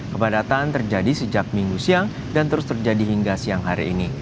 kepadatan terjadi sejak minggu siang dan terus terjadi hingga siang hari ini